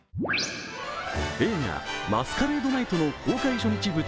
映画「マスカレード・ナイト」の公開舞台